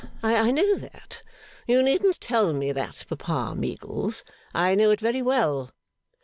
I know that! You needn't tell me that, Papa Meagles. I know it very well.